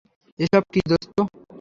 এসব কি দোস্ত?